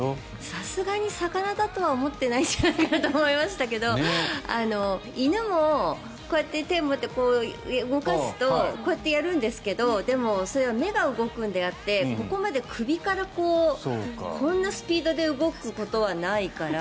さすがに魚だとは思っていないのではと思いましたが犬もこうやって手を持って動かすとこうやって、やるんですけどそれは目が動くんであってここまで首からこんなスピードで動くことはないから。